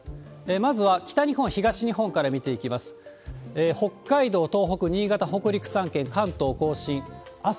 まずは北日本、東日本から見ていきます。